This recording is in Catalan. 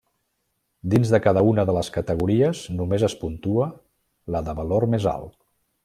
Dins de cada una de les categories només es puntua la de valor més alt.